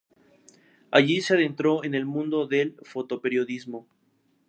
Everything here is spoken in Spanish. Allí se adentró en el mundo del fotoperiodismo.